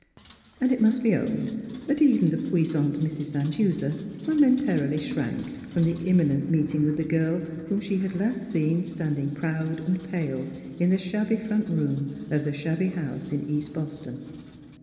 And it must be owned that even the puissant Mrs. Van Duser momentarily shrank from the imminent meeting with the girl whom she had last seen standing proud and pale in the shabby front room of the shabby house in East Boston.